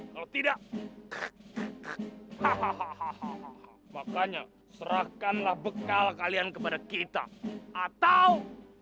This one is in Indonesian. kalau tidak hahaha makanya serahkanlah bekal kalian kepada kita atau